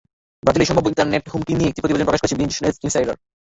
ব্রাজিলের সম্ভাব্য ইন্টারনেট হুমকি নিয়ে একটি প্রতিবেদন প্রকাশ করেছে বিজনেস ইনসাইডার।